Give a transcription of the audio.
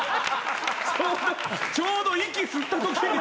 ちょうど息吸ったときに。